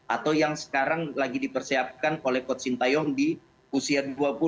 atau yang sekarang lagi dipersiapkan oleh coach sintayong di usia dua puluh